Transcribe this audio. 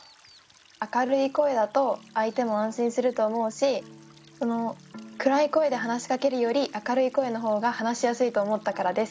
明るい声だと相手も安心すると思うし暗い声で話しかけるより明るい声の方が話しやすいと思ったからです。